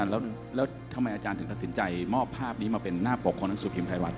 แล้วทำไมอาจารย์ถึงตัดสินใจมอบภาพนี้มาเป็นหน้าปกของหนังสือพิมพ์ไทยรัฐ